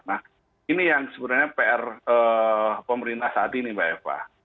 nah ini yang sebenarnya pr pemerintah saat ini mbak eva